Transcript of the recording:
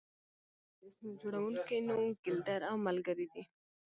د مجسمو جوړونکي نوم ګیلډر او ملګري دی.